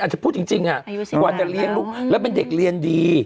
อาจจะพูดจริงควรได้เรียนลูกแล้วเป็นเด็กเรียนดี